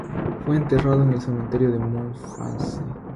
Fue enterrado en el cementerio de Montparnasse.